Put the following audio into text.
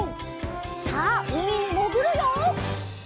さあうみにもぐるよ！